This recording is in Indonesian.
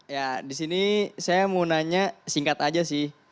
ya disini saya mau nanya singkat aja sih